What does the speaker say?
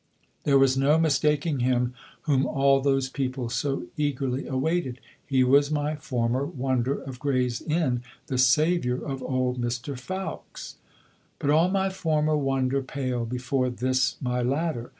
There was no mistaking him whom all those people so eagerly awaited; he was my former wonder of Gray's Inn, the saviour of old Mr. Fowkes. But all my former wonder paled before this my latter.